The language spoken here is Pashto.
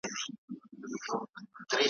زېری به راوړي د پسرلیو `